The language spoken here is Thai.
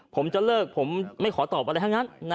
ผมจะเลิกผมไม่ขอตอบอะไรทั้งนั้น